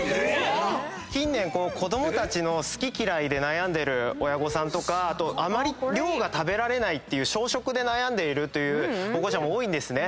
近年子供たちの好き嫌いで悩んでる親御さんとかあまり量が食べられない小食で悩んでいるという保護者も多いんですね。